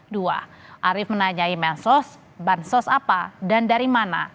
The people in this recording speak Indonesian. dua arief menanyai mensos bansos apa dan dari mana